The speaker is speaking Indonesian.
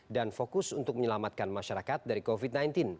dan fokus untuk menyelamatkan masyarakat dari covid sembilan belas